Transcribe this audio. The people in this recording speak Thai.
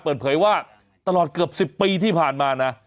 เปิดเผยว่าตลอดเกือบ๑๐ปีที่ผ่านมานะ